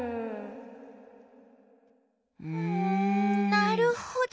なるほど。